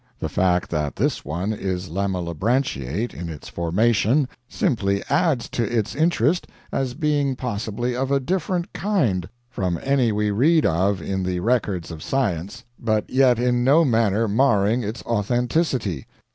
The fact that this one is lamellibranchiate in its formation, simply adds to its interest as being possibly of a different kind from any we read of in the records of science, but yet in no manner marring its authenticity.